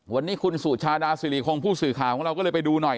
วันนี้คุณสุชาดาสิริคงผู้สื่อข่าวของเราก็เลยไปดูหน่อย